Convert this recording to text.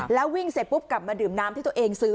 แล้ววิ่งเสร็จปุ๊บกลับมาดื่มน้ำที่ตัวเองซื้อ